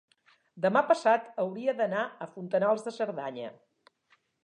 demà passat hauria d'anar a Fontanals de Cerdanya.